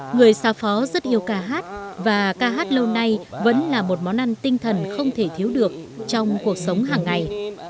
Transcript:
người xa phó rất yêu ca hát và ca hát lâu nay vẫn là một món ăn tinh thần không thể thiếu được trong cuộc sống hàng ngày